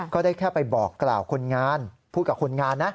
ก็ได้แค่ไปบอกกล่าวคนงานพูดกับคนงานนะ